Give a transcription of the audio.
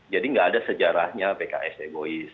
jadi tidak ada sejarahnya pks egois